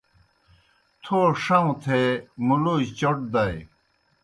تھو ݜَؤں تھے مُلوجیْ چوْٹ دائے۔